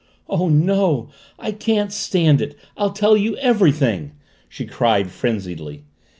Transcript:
"Oh, no! I can't stand it! I'll tell you everything!" she cried frenziedly.